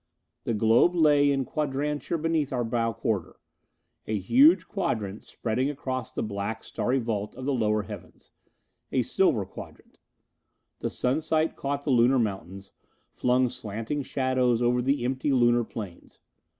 The globe lay in quadrature beneath our bow quarter a huge quadrant spreading across the black starry vault of the lower heavens. A silver quadrant. The sunset caught the Lunar mountains, flung slanting shadows over the empty Lunar plains.